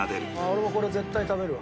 俺もこれ絶対食べるわ。